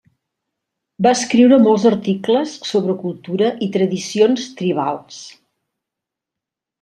Va escriure molts articles sobre cultura i tradicions tribals.